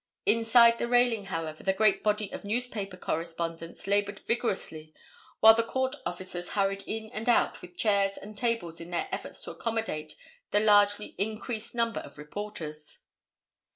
Inside the railing however, the great body of newspaper correspondents labored vigorously while the court officers hurried in and out with chairs and tables in their efforts to accommodate the largely increased number of reporters.